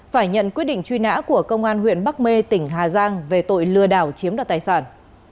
phải nhận quyết định truy nã của công an huyện bắc mê tỉnh hà giang về tội lừa đảo chiếm đoạt tài sản